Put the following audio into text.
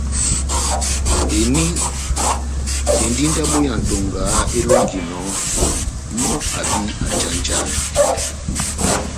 Eni endi ndabo ya Ntonga elonginɔ mɔ́ abi ajanjaha.